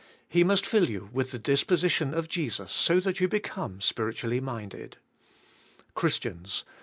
He must fill you with the disposition of Jesus so that 3^ou become spiritually minded. Christians!